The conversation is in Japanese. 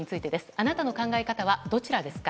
あなたの考え方はどちらですか？